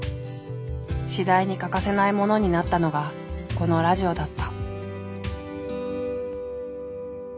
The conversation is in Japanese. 次第に欠かせないものになったのがこのラジオだった。